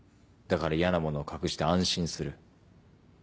だから嫌なものを隠して安心する。